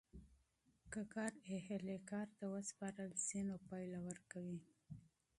که کار اهل کار ته وسپارل سي نو نتیجه ورکوي.